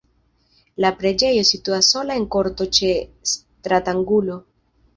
La preĝejo situas sola en korto ĉe stratangulo.